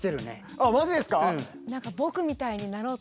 あっマジですか？